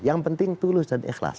yang penting tulus dan ikhlas